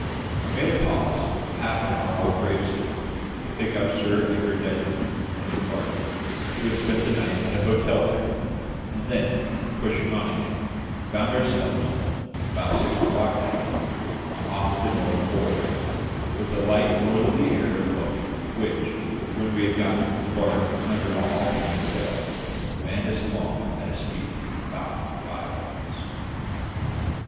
We made a pause of half an hour off Gravesend, to pick up Sir Edgar Desmond and his party who had spent the night at an hotel there and then, pushing on again, found ourselves, about six o'clock that evening, off the North Foreland, with a light northerly air blowing, which, when we had got the barque under all plain sail, fanned us along at a speed of about five knots.